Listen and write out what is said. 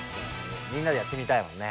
みんなでやってみたいよね。